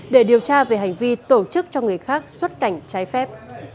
để điều tra về hành vi tổ chức cho người khác xuất cảnh trái phép